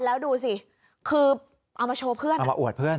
แล้วดูสิคือเอามาโชว์เพื่อนเอามาอวดเพื่อน